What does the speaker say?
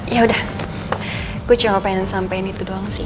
ya udah gue cuma pengen sampein itu doang sih